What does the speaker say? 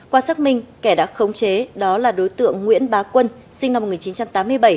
qua xác minh kẻ đã khống chế đó là đối tượng nguyễn bá quân sinh năm một nghìn chín trăm tám mươi bảy